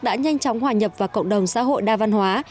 đã nhanh chóng hòa nhập vào cộng đồng xã hội đa văn hóa